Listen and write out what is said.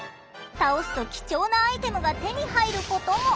倒すと貴重なアイテムが手に入ることも。